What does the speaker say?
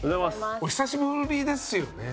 お久しぶりですよね？